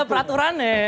ada peraturan ya